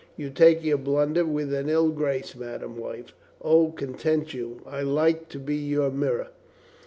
"You take your blunder with an ill grace, madame wife." "O, content you. I like to be your mirror.